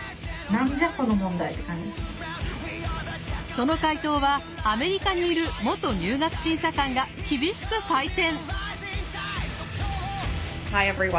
その解答はアメリカにいる元入学審査官が厳しく採点！